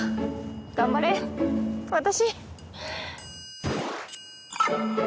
頑張れ私。